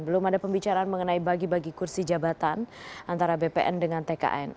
belum ada pembicaraan mengenai bagi bagi kursi jabatan antara bpn dengan tkn